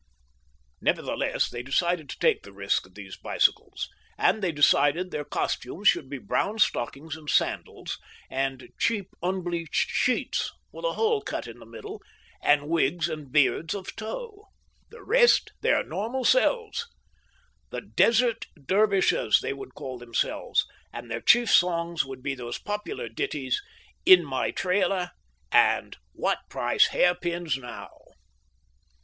Nevertheless, they decided to take the risk of these bicycles, and they decided their costumes should be brown stockings and sandals, and cheap unbleached sheets with a hole cut in the middle, and wigs and beards of tow. The rest their normal selves! "The Desert Dervishes," they would call themselves, and their chief songs would be those popular ditties, "In my Trailer," and "What Price Hair pins Now?"